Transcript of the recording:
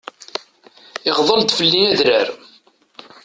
Iɣḍel-d fell-i adrar.